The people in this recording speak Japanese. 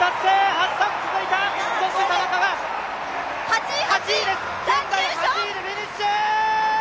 ハッサン続いた、そして田中が８位でフィニッシュ！